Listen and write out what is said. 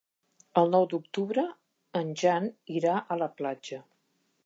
El nou d'octubre en Jan irà a la platja.